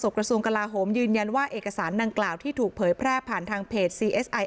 ส่วนกระสูงกลาโอมยืนยันว่าเอกสารหนังกราบที่ถูกเพย์แพร่ผ่านทางพฤจธรรมณะทางเพจ